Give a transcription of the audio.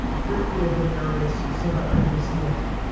Bring me a denary[12:15], that I may see it.